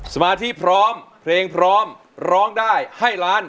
สมาธิพร้อมเพลงพร้อมร้องได้ให้ล้าน